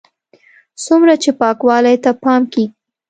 څومره چې پاکوالي ته پام کېږي.